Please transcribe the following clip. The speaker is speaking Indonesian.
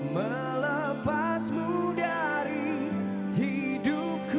melepasmu dari hidupku